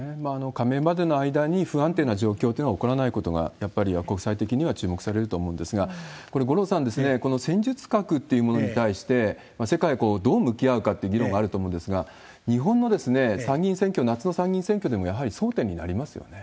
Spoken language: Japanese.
加盟までの間に、不安定な状況というのは起こらないことがやっぱり国際的には注目されると思うんですが、これ、五郎さん、この戦術核というものに対して、世界はどう向き合うかっていう議論があると思うんですが、日本の参議院選挙、夏の参議院選挙でもやはり争点になりますよね。